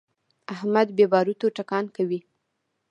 احمد بې باروتو ټکان کوي.